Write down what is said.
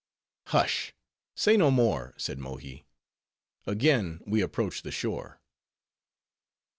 "Hush; say no more," said Mohi; "again we approach the shore."